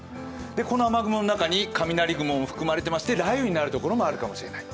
この雨雲の中に雷雲も含まれていまして雷雨になるかもしれない。